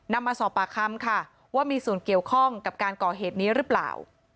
มาสอบปากคำค่ะว่ามีส่วนเกี่ยวข้องกับการก่อเหตุนี้หรือเปล่า